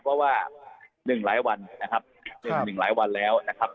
เพราะว่า๑หลายวันนะครับ๑หลายวันแล้วนะครับ